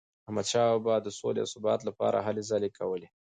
احمدشاه بابا د سولې او ثبات لپاره هلي ځلي کولي.